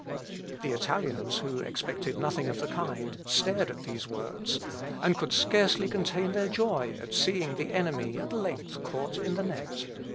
The Italians, who expected nothing of the kind, stared at these words, and could scarcely contain their joy at seeing the enemy at length caught in the net.